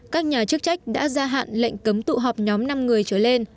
các nhà chức trách đã gia hạn lệnh cấm tụ họp nhóm năm người trở lên